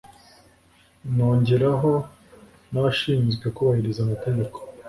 nongeraho n’abashinzwe kubahiriza amategeko.